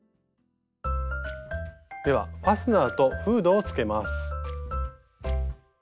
ではファスナーとフードをつけます。